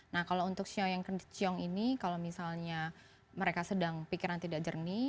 nah kalau untuk sio yang ke ciong ini kalau misalnya mereka sedang pikiran tidak jernih